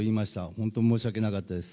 本当に申し訳なかったです。